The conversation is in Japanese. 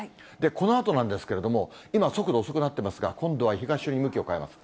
このあとなんですけれども、今、速度遅くなってますが、今度は東寄りに向きを変えます。